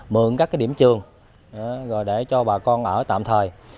mượn các cái điểm trường rồi để cho bà con ở tạm thời